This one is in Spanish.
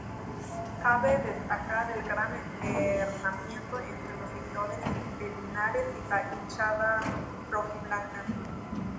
Cabe destacar el gran hermanamiento entre los seguidores del Linares y la hinchada rojiblanca.